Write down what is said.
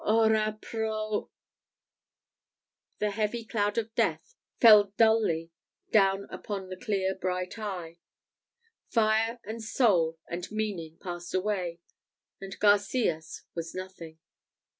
ora pro " The heavy cloud of death fell dully down upon the clear bright eye. Fire, and soul, and meaning, passed away, and Garcias was nothing.